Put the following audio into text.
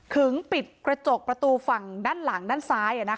ปิดกระจกประตูฝั่งด้านหลังด้านซ้าย